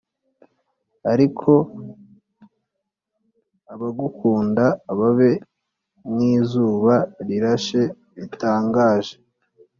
Ariko abagukunda babe nk izuba rirashe ritangaje